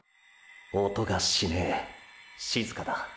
音がしねぇ静かだ。